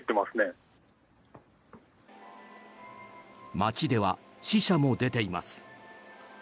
町では死者も出ています。